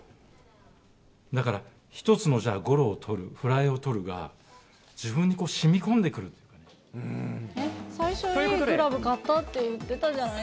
だから一つの、じゃあ、ゴロを捕る、フライを捕るが、自分にしみ最初、いいグラブ買ったって言ってたじゃないですか。